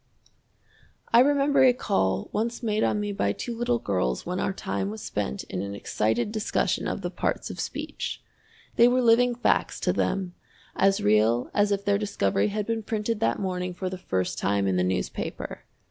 I remember a call once made on me by two little girls when our time was spent in an excited discussion of the parts of speech. They were living facts to them, as real as if their discovery had been printed that morning for the first time in the newspaper.